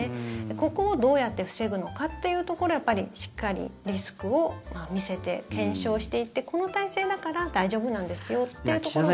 ここをどうやって防ぐのかというところをしっかりリスクを見せて検証していってこの体制だから大丈夫なんですよっていうところを。